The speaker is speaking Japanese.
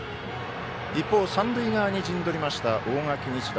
一方、三塁側に陣取りました大垣日大。